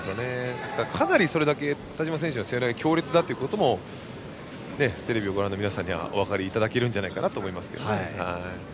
かなりそれだけ田嶋選手の背負い投げが強烈だということもテレビをご覧の皆さんにはお分かりいただけるんじゃないかなと思いますけどね。